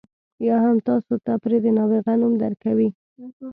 یا هم تاسو ته پرې د نابغه نوم درکوي.